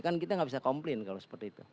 kan kita nggak bisa komplain kalau seperti itu